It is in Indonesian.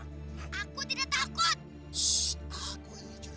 aku tidak takut